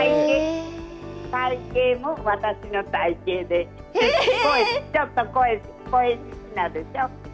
体形も私の体形でちょっと肥えてるでしょ。